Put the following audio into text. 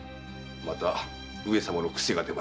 また上様の癖が出ましたな。